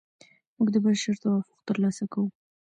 موږ د بشر توافق ترلاسه کوو.